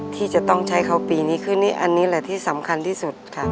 ที่จะต้องใช้เขาปีนี้ขึ้นนี่อันนี้แหละที่สำคัญที่สุดค่ะ